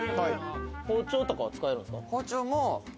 包丁とか使えるんですか？